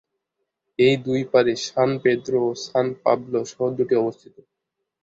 এর দুই পারে সান পেদ্রো ও সান পাবলো শহর দুটি অবস্থিত।